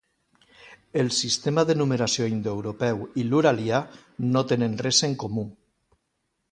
El sistema de numeració indoeuropeu i l'uralià no tenen res en comú.